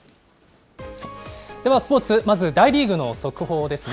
では、スポーツ、まず大リーグの速報ですね。